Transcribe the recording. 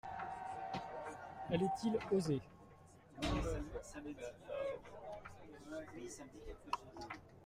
Allait-il oser?